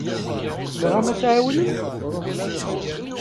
Tebɣamt ad iyi-tɛiwnemt?